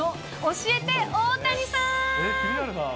教えて、大谷さん。